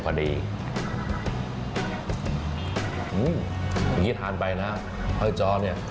อื้มอย่างนี้ทานไปนะพระจ้อนี่